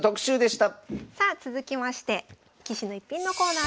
さあ続きまして「棋士の逸品」のコーナーです。